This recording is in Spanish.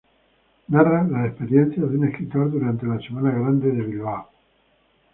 Narra las experiencias de un escritor durante la Semana Grande de Bilbao.